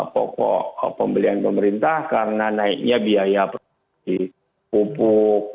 pokok pembelian pemerintah karena naiknya biaya produksi pupuk